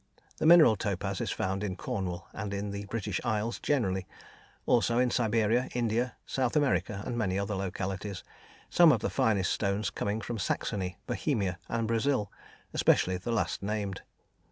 The mineral topaz is found in Cornwall and in the British Isles generally; also in Siberia, India, South America and many other localities, some of the finest stones coming from Saxony, Bohemia, and Brazil, especially the last named.